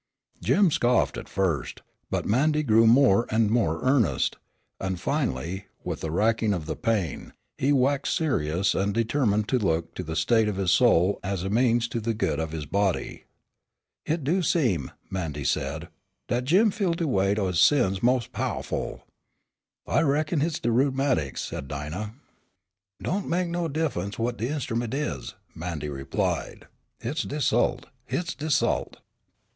Jim scoffed at first, but Mandy grew more and more earnest, and finally, with the racking of the pain, he waxed serious and determined to look to the state of his soul as a means to the good of his body. "Hit do seem," Mandy said, "dat Jim feel de weight o' his sins mos' powahful." "I reckon hit's de rheumatics," said Dinah. [Illustration: JIM.] "Don' mek no diffunce what de inst'ument is," Mandy replied, "hit's de 'sult, hit's de 'sult."